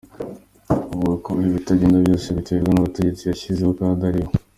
avuga ko ibitagenda byose biterwa n’abategetsi yashyizeho kandi ariwe